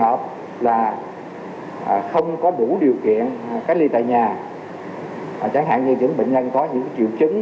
hợp là không có đủ điều kiện cách ly tại nhà chẳng hạn như những bệnh nhân có những triệu chứng